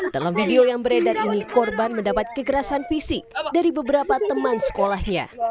dalam video yang beredar ini korban mendapat kekerasan fisik dari beberapa teman sekolahnya